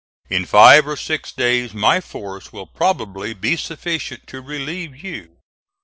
In five or six days my force will probably be sufficient to relieve you.